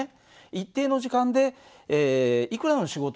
一定の時間でいくらの仕事をしたのか。